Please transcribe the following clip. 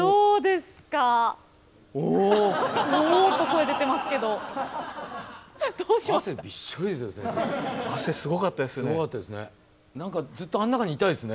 すごかったですね。